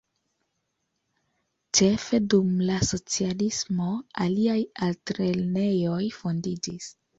Ĉefe dum la socialismo aliaj altlernejoj fondiĝis.